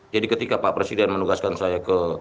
jadi ketika pak presiden menugaskan saya ke